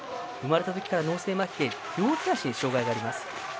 生まれたときから脳性まひで両手足に障がいがあります。